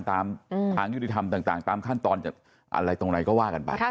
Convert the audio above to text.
ตามทางยุติธรรมต่างตามขั้นตอนอะไรตรงไหนก็ว่ากันไป